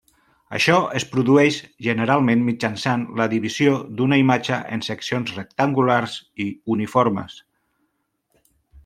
Això es produeix generalment mitjançant la divisió d'una imatge en seccions rectangulars i uniformes.